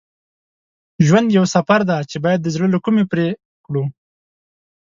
ژوند یو سفر دی چې باید د زړه له کومي پرې کړو.